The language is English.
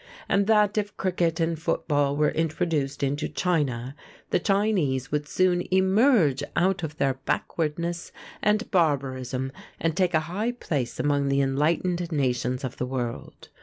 And that if cricket and football were introduced into China, the Chinese would soon emerge out of their backwardness and barbarism and take a high place among the enlightened nations of the world.